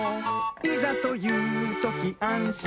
「いざというときあんしんできる」